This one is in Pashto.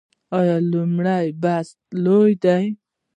آیا لومړی بست لوړ دی؟